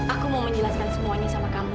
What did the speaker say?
aku mau menjelaskan semuanya sama kamu